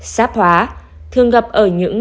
sáp hóa thường gặp ở những